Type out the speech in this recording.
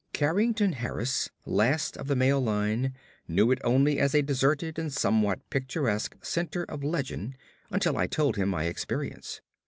Carrington Harris, last of the male line, knew it only as a deserted and somewhat picturesque center of legend until I told him my experience.